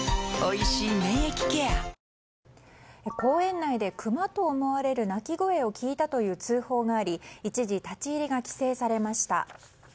公園内でクマと思われる鳴き声を聞いたという通報があり一時、立ち入りが規制されました。